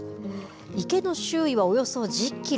池の周囲はおよそ１０キロ。